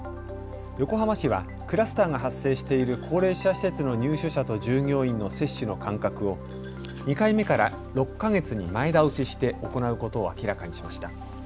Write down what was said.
横浜市はクラスターが発生している高齢者施設の入所者と従業員の接種の間隔を２回目から６か月に前倒しして行うことを明らかにしました。